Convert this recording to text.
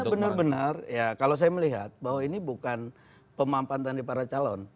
bener bener ya kalau saya melihat bahwa ini bukan pemampantan dari para calon